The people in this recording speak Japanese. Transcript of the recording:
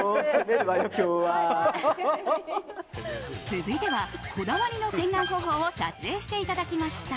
続いてはこだわりの洗顔方法を撮影していただきました。